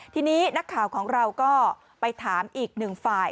ทีนี้นักข่าวของเราก็ไปถามอีกหนึ่งฝ่าย